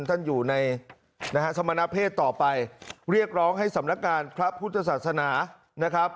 ท่านอยู่ในนะฮะสมณเพศต่อไปเรียกร้องให้สำนักงานพระพุทธศาสนานะครับ